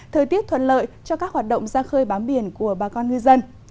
thời tiết thuận lợi cho các hoạt động ra khơi bám biển của bà con ngư dân